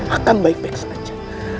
akan baik baik saja